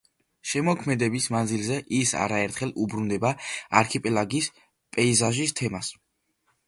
შემოქმედების მანძილზე ის არა ერთხელ უბრუნდება არქიპელაგის პეიზაჟის თემას.